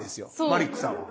マリックさんは。